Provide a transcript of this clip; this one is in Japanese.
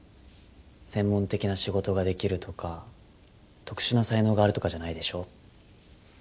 専門的な仕事ができるとか特殊な才能があるとかじゃないでしょ？